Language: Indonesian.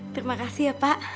terima kasih ya pak